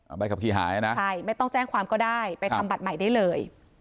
ใบขับขี่หายนะใช่ไม่ต้องแจ้งความก็ได้ไปทำบัตรใหม่ได้เลย